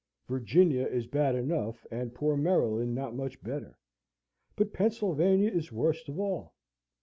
Virginia is bad enough, and poor Maryland not much better, but Pennsylvania is worst of all.